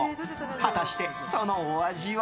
果たして、そのお味は。